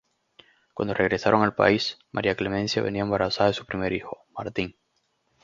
Cuando regresaron al país, María Clemencia venía embarazada de su primer hijo, Martín.